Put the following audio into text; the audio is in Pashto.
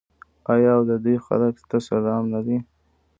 آیا او د دوی خلکو ته سلام نه دی؟